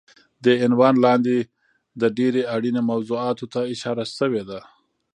دې عنوان لاندې د ډېرې اړینې موضوعاتو ته اشاره شوی دی